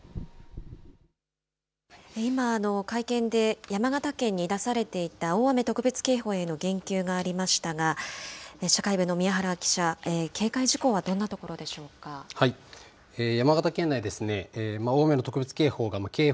今、会見で山形県に出されていた大雨特別警報への言及がありましたが社会部の宮原記者警戒事項は山形県内ですね